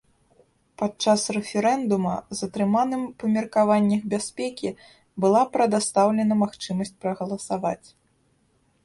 Падчас рэферэндума затрыманым па меркаваннях бяспекі была прадастаўлена магчымасць прагаласаваць.